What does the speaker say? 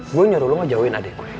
gue nyuruh lo gak jauhin adik gue